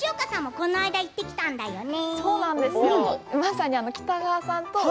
この間行ってきたんだよね。